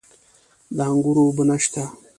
د انګورو اوبه نشته؟